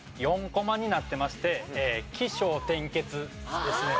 ４コマになってまして起承転結ですね。